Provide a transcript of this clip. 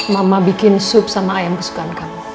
mama bikin sup sama ayam kesukaan kamu